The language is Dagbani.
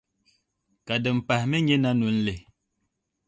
ka din pahi mi nyɛ Nanunli.